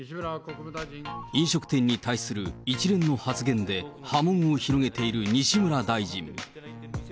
飲食店に対する一連の発言で波紋を広げている西村大臣。